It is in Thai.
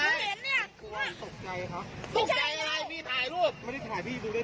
เห็นเนี่ยกลัวตกใจครับตกใจอะไรพี่ถ่ายรูปไม่ได้ถ่ายพี่ดูเลย